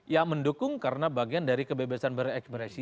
ya mendukung karena bagian dari kebebasan berekspresi